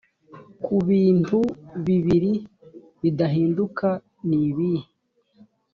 ku bintu bibiri bidahinduka nibihe